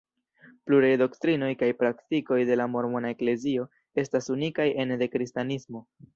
Pluraj doktrinoj kaj praktikoj de la mormona eklezio estas unikaj ene de kristanismo.